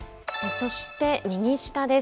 そして、右下です。